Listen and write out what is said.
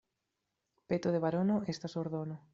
Peto de barono estas ordono.